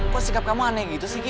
kok sikap kamu aneh gitu sih